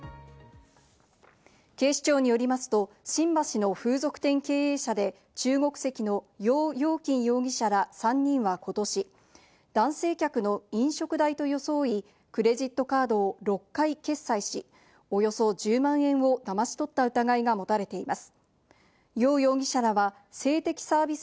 警視庁によりますと、新橋の風俗店経営者で中国籍のヨウ・ヨウキン容疑者ら３人はことし、男性客の飲食代と装い、クレジットカードを６回決済し、およそ１０万円をだまし取った疑いが持たれています。